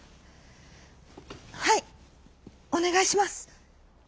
「はいおねがいします」。